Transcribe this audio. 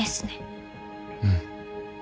うん。